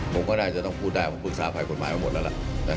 ผมก็น่าจะต้องพูดได้ผมปรึกษาภัยกฎหมายมาหมดแล้วล่ะ